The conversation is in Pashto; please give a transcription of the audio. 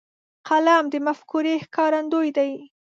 قلم د مفکورې ښکارندوی دی.